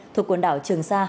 thuộc quần đảo trường sa